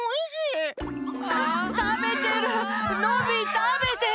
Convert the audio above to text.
たべてる。